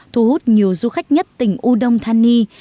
thu hút nhiều du khách nhất tỉnh u đông tha nhi